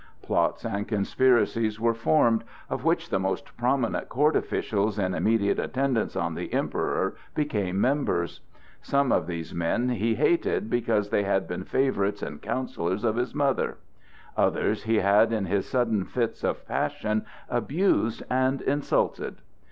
Plots and conspiracies were formed, of which the most prominent court officials in immediate attendance on the Emperor became members. Some of these men he hated because they had been favorites and counsellors of his mother; others he had in his sudden fits of passion abused and insulted.